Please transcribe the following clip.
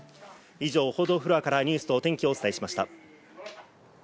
以上、報道フロアからニュースとお天気をお伝えしました。